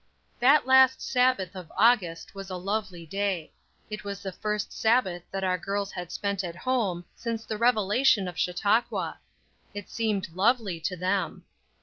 THAT last Sabbath of August was a lovely day; it was the first Sabbath that our girls had spent at home since the revelation of Chautauqua. It seemed lovely to them.